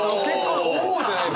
「お！」じゃないのよ！